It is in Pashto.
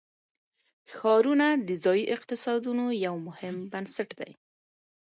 ښارونه د ځایي اقتصادونو یو مهم بنسټ دی.